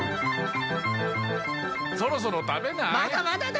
そろそろ食べない？